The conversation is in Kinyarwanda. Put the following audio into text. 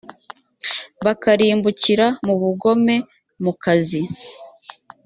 bakarimbukira mu bugome mukazi